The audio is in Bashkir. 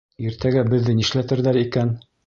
Иртәгә беҙҙе нишләтерҙәр икән?